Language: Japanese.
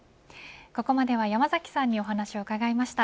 ここまでは山崎さんにお話を伺いました。